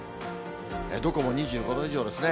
どこも２５度以上ですね。